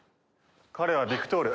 彼はビクトール。